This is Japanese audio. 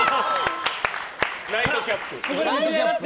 ナイトキャップ。